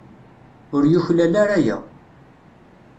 Ur yuklal ara aya.